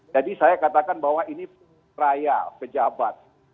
jadi saya katakan bahwa ini raya pejabat